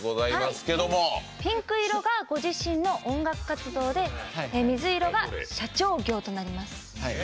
ピンク色がご自身の音楽活動で水色が社長業となります。